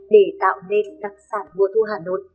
để tạo nên đặc sản mùa thu hà nội